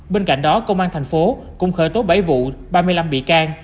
bên cạnh đó công an thành phố cũng khởi tố bảy vụ ba mươi năm bị can